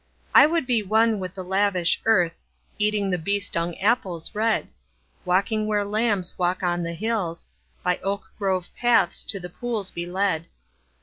I would be one with the lavish earth, Eating the bee stung apples red: Walking where lambs walk on the hills; By oak grove paths to the pools be led.